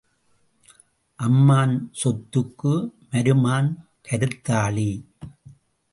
அம்மான் சொத்துக்கு மருமான் கருத்தாளி.